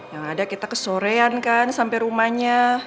ya gak ada kita ke sorean kan sampe rumahnya